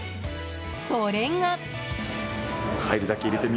それが。